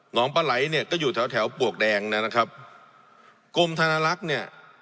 งปลาไหลเนี่ยก็อยู่แถวแถวปลวกแดงนะครับกรมธนลักษณ์เนี่ย